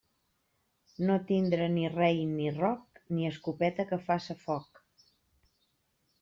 No tindre ni rei ni roc ni escopeta que faça foc.